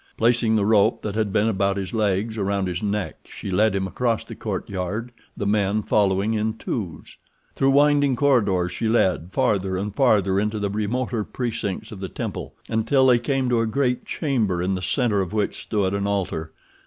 Placing the rope that had been about his legs around his neck, she led him across the courtyard, the men following in twos. Through winding corridors she led, farther and farther into the remoter precincts of the temple, until they came to a great chamber in the center of which stood an altar.